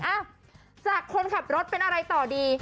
อ้าวจากคนขับรถเป็นอะไรต่อดี